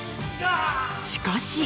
しかし。